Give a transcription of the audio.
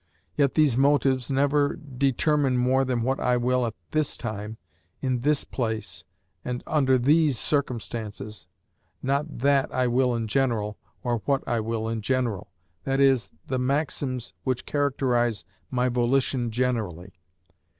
Yet these motives never determine more than what I will at this time, in this place, and under these circumstances, not that I will in general, or what I will in general, that is, the maxims which characterise my volition generally.